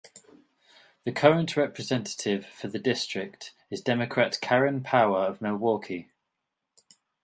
The current representative for the district is Democrat Karin Power of Milwaukie.